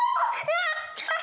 やった！